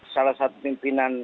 salah satu pimpinan